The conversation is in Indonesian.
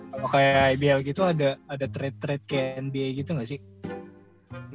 kalau kayak ibl gitu ada trade trade kayak nba gitu gak sih